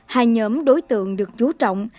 hai nhóm đối tượng được chú trọng